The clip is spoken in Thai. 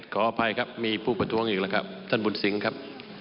ขออภัยครับมีผู้ประท้วงอีกแล้วครับท่านบุญสิงห์ครับ